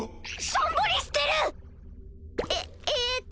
しょんぼりしてる！ええっと